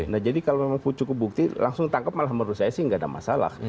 nah jadi kalau memang cukup bukti langsung tangkap malah menurut saya sih nggak ada masalah